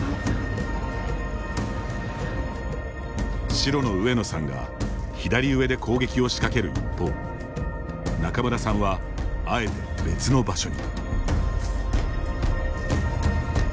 白の上野さんが左上で攻撃を仕掛ける一方仲邑さんはあえて別の場所に。